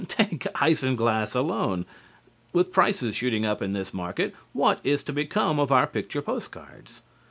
Take isinglass alone. With prices shooting up in this market, what is to become of our picture post cards?